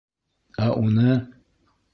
Ә уны...